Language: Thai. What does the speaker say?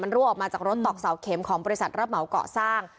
รั่วออกมาจากรถตอกเสาเข็มของบริษัทรับเหมาก่อสร้าง